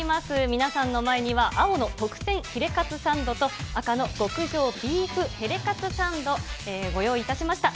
皆さんの前には、青の特選ヒレカツサンドと、赤の極上ビーフヘレカツサンド、ご用意いたしました。